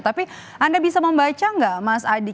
tapi anda bisa membaca nggak mas adi